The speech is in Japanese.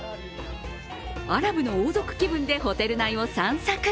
アラブの王族気分でホテル内を散策。